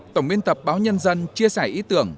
tổng biên tập báo nhân dân chia sẻ ý tưởng